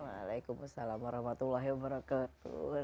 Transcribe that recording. waalaikumsalam warahmatullahi wabarakatuh